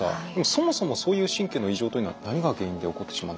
そもそもそういう神経の異常というのは何が原因で起こってしまうんでしょうか？